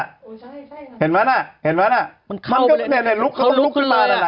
โอ้ใช่ใช่เห็นไหมน่ะเห็นไหมน่ะมันเข้ามันเข้าลุกขึ้นมาเลยอ่ะ